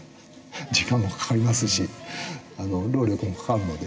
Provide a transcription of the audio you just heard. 時間もかかりますし労力もかかるので。